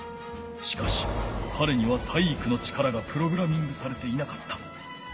しかしかれには体育の力がプログラミングされていなかった。